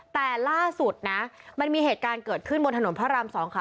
แต่ล่าสุดนะมันมีเหตุการณ์เกิดขึ้นบนถนนพระราม๒ค่ะ